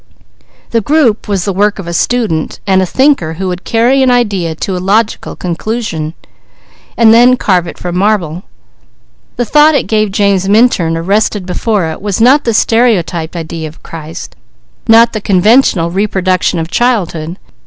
That group was the work of a student and a thinker who could carry an idea to a logical conclusion, and then carve it from marble. The thought it gave James Minturn, arrested before it, was not the stereotyped idea of Christ, not the conventional reproduction of childhood.